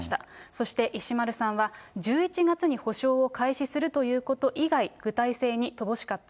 そして、石丸さんは、１１月に補償を開始するということ以外、具体性に乏しかった。